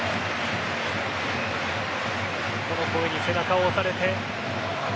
この声に背中を押されて。